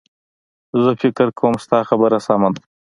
زه فکر کوم ستا خبره سمه ده